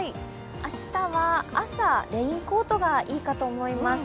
明日は朝、レインコートがいいかと思います。